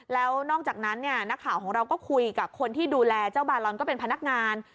แล้วนอกจากนั้นนักข่าวของเราก็คุยกับคนที่ดูแลเจ้าบาลอนก็เป็นพนักงาน